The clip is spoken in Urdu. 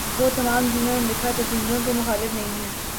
وہ تمام جنہوں نے لکھا تبدیلیوں کے مخالف نہیں ہیں